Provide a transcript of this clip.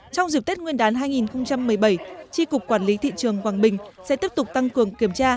trong dịp tết nguyên đán hai nghìn một mươi bảy tri cục quản lý thị trường quảng bình sẽ tiếp tục tăng cường kiểm tra